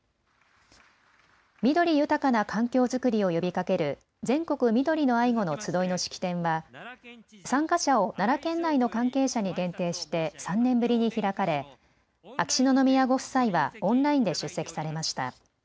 緑豊かな環境作りを呼びかける全国みどりの愛護のつどいの式典は参加者を奈良県内の関係者に限定して３年ぶりに開かれ秋篠宮ご夫妻はオンラインで出席されました。